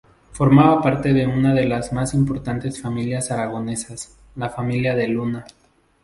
Formaba parte de una de las más importantes familias aragonesas, la familia de Luna.